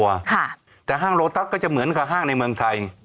ค่ะแต่ห้างโลตัสก็จะเหมือนกับห้างในเมืองไทย